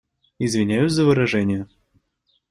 Извиняюсь за выражения.